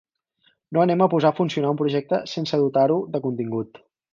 No anem a posar a funcionar un projecte sense dotar-ho de contingut.